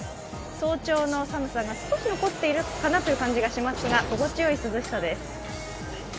早朝の寒さが少し残っているかなという感じがしますが、心地よい涼しさです。